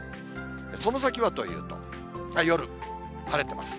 その先はというと、夜、晴れてます。